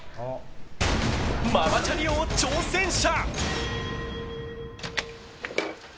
ママチャリ王挑戦者！